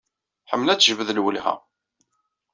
Tḥemmel ad d-tejbed lwelha.